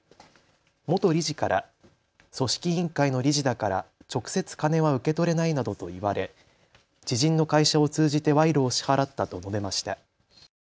元理事から組織委員会の理事だから直接金は受け取れないなどと言われ知人の会社を通じて賄賂を支払ったと述べました。